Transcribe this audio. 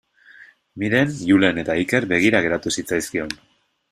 Miren, Julen eta Iker begira geratu zitzaizkion.